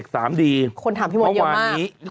คนถามพี่หมอนเยอะมาก